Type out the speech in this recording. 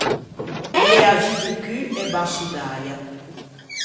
O l’ea zu do cû e basso d’äia.